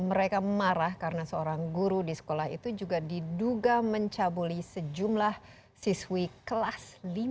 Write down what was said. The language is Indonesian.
mereka marah karena seorang guru di sekolah itu juga diduga mencabuli sejumlah siswi kelas lima